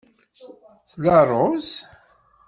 Tla ṛṛuz?